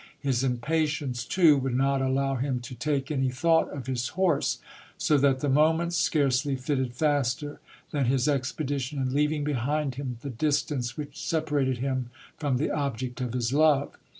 His impatience, too, would not allow him to take any thought of his horse ; so that the moments scarcely flitted faster, than his expedition in leaving behind him the distance which separated him from the object of his love.